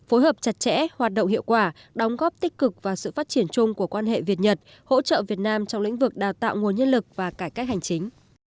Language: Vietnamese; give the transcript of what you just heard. phối hợp chặt chẽ hoạt động hiệu quả đóng góp tích cực và sự phát triển chung của quan hệ việt nhật hỗ trợ việt nam trong lĩnh vực đào tạo nguồn nhân lực và cải cách hành chính